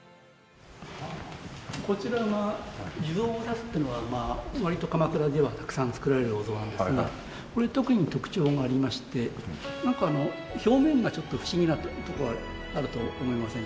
こちらが地蔵菩薩っていうのはまあ割と鎌倉ではたくさん造られるお像なんですがこれ特に特徴がありましてなんか表面がちょっと不思議なところがあると思いませんか？